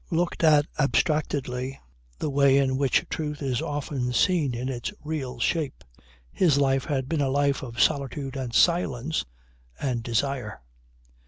Looked at abstractedly (the way in which truth is often seen in its real shape) his life had been a life of solitude and silence and desire.